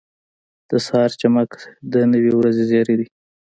• د سهار چمک د نوې ورځې زېری دی.